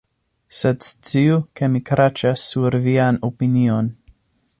Sed sciu, ke mi kraĉas sur vian opinion!